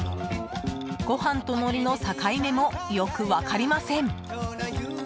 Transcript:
ご飯とのりの境目もよく分かりません。